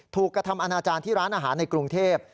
กระทำอนาจารย์ที่ร้านอาหารในกรุงเทพ